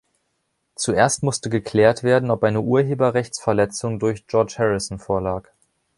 Zuerst musste geklärt werden, ob eine Urheberrechtsverletzung durch George Harrison vorlag.